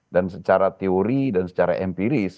dan secara teori dan secara empiris